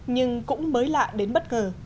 nhưng cũng mới lạ đến bất ngờ